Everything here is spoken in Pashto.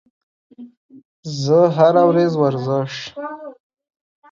زه هره ورځ ورزش